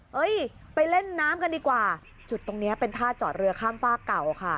เฮ้ยไปเล่นน้ำกันดีกว่าจุดตรงนี้เป็นท่าจอดเรือข้ามฝากเก่าค่ะ